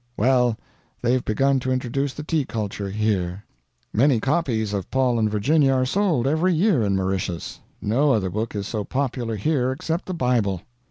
Well, they've begun to introduce the tea culture, here. "Many copies of Paul and Virginia are sold every year in Mauritius. No other book is so popular here except the Bible.